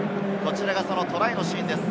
トライのシーンです。